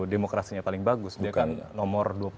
demokrasinya paling bagus dia kan nomor